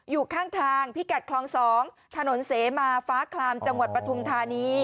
อยู่ข้างทางพิกัดคลอง๒ถนนเสมาฟ้าคลามจังหวัดปฐุมธานี